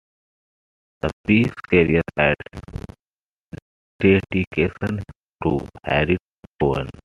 The piece carries a dedication to Harriet Cohen.